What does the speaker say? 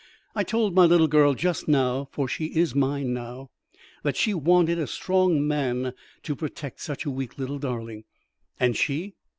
"I told my little girl just now for she is mine now that she wanted a strong man to protect such a weak little darling." "And she?"